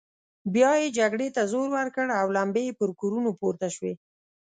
بيا يې جګړې ته زور ورکړ او لمبې يې پر کورونو پورته شوې.